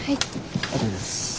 ありがとうございます。